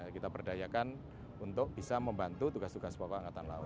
kita berdayakan untuk bisa membantu tugas tugas pokok angkatan laut